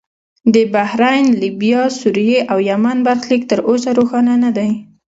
د بحرین، لیبیا، سوریې او یمن برخلیک تر اوسه روښانه نه دی.